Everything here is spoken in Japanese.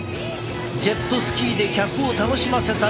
ジェットスキーで客を楽しませたり。